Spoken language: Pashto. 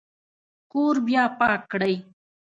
کور بیا پاک کړئ